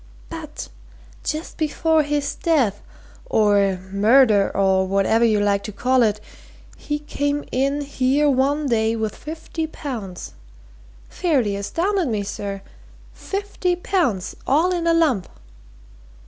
But, just before his death, or murder, or whatever you like to call it, he came in here one day with fifty pounds! Fairly astounded me, sir! Fifty pounds all in a lump!"